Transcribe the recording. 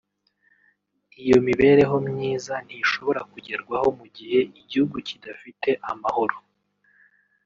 Iyo mibereho myiza ntishobora kugerwaho mu gihe igihugu kidafite amahoro